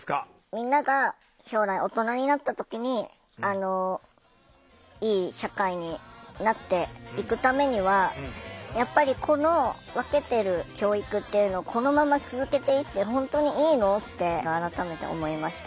みんなが将来大人になった時にいい社会になっていくためにはやっぱりこの分けてる教育っていうのをこのまま続けていって本当にいいの？って改めて思いました。